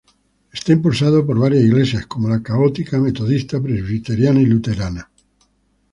Es impulsado por varias iglesias, como la Católica, Metodista, Presbiteriana y Luterana.